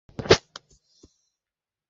তিনি বিপজ্জনক সাপের মাথা থেতলে দিতে চান।